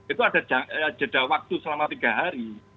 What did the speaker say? itu ada jeda waktu selama tiga hari